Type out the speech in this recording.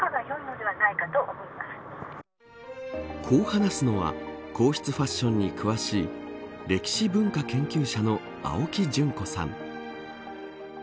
こう話すのは皇室ファッションに詳しい歴史文化研究者の青木淳子さん。